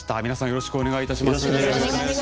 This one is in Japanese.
よろしくお願いします。